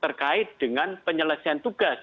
terkait dengan penyelesaian tugas